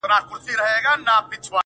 را روان په شپه كــــي ســـېــــــل دى،